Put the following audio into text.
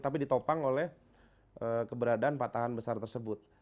tapi ditopang oleh keberadaan patahan besar tersebut